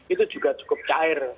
itu juga cukup cair